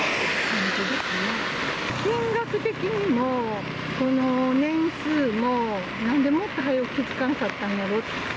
金額的にも、その年数も、なんでもっとはよ気付かなかったんやろ。